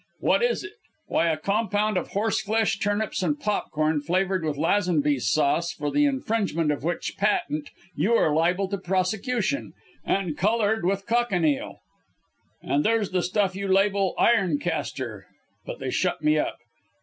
What is it? Why, a compound of horseflesh, turnips and popcorn, flavoured with Lazenby's sauce for the infringement of which patent you are liable to prosecution and coloured with cochineal. Then there's the stuff you label "Ironcastor,"' but they shut me up.